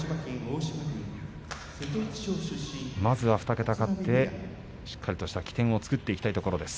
まずは２桁勝ってしっかりとした起点を作っていきたいところです。